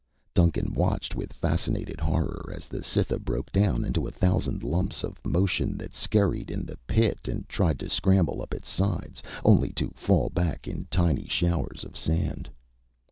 Duncan watched with fascinated horror as the Cytha broke down into a thousand lumps of motion that scurried in the pit and tried to scramble up its sides, only to fall back in tiny showers of sand.